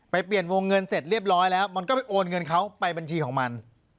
เปลี่ยนวงเงินเสร็จเรียบร้อยแล้วมันก็ไปโอนเงินเขาไปบัญชีของมัน